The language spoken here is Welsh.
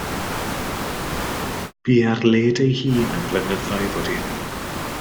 Bu ar led ei hun am flynyddoedd wedi hynny.